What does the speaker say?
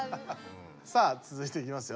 さあつづいていきますよ。